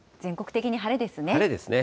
晴れですね。